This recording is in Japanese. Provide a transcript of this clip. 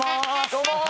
どうも！